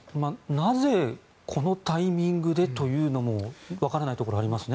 なぜ、このタイミングでというのもわからないところがありますね。